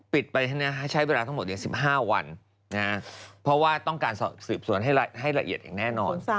ไปให้ใช้เวลาทั้งหมด๑๕วันเพราะว่าต้องการสืบสวนให้ละเอียดอย่างแน่นอน